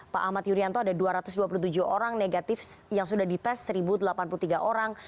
pak ahmad yuryanto ada dua ratus dua puluh tujuh orang negatif yang sudah dites satu delapan puluh tiga orang